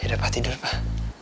ya udah pak tidur pak